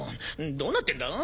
どうなってんだ？